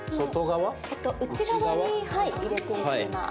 内側に入れていきます。